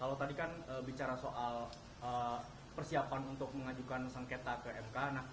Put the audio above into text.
kalau tadi kan bicara soal persiapan untuk mengajukan sengketa ke mk